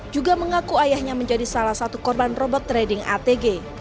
juga mengaku ayahnya menjadi salah satu korban robot trading atg